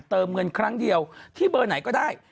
เติมเงินครั้งเดียวที่เบอร์ไหนก็ได้